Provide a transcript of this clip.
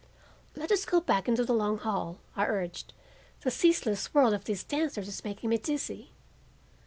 "Let us go back into the long hall," I urged. "The ceaseless whirl of these dancers is making me dizzy."